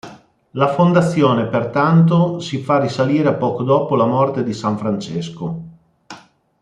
La fondazione pertanto si fa risalire a poco dopo la morte di san Francesco.